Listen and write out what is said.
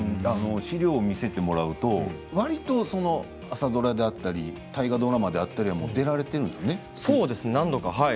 資料を見せてもらうとわりと朝ドラであったり大河ドラマだったりはそうです